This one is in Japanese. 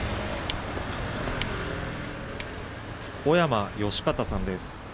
小山義方さんです。